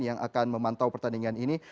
yang akan memantau pertandingan ini